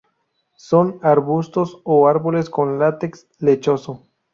Son arbustos o árboles con látex lechoso.